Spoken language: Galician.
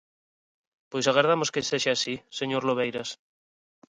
Pois agardamos que sexa así, señor Lobeiras.